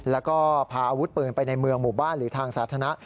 แล้วก็พาอาวุธปืนไปในเมืองหมู่บ้านหรือทางสาธารณะ